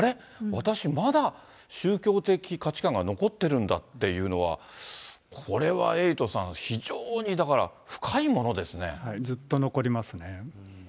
私、まだ宗教的価値観が残ってるんだっていうのは、これはエイトさん、非常にだから深いものですずっと残りますね。